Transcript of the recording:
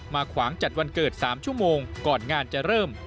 ขวางจัดวันเกิด๓ชั่วโมงก่อนงานจะเริ่ม